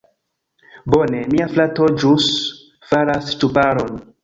Bone, mia frato ĵus faras ŝtuparon.